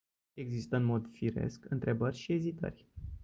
Există în mod firesc întrebări și ezitări.